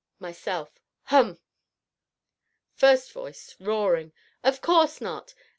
MYSELF. Hum! FIRST VOICE (roaring). Of course not!